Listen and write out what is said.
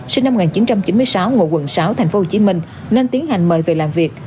sinh năm một nghìn chín trăm chín mươi sáu ngụ quận sáu tp hcm nên tiến hành mời về làm việc